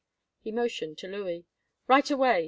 He motioned to Louis. "Right away!"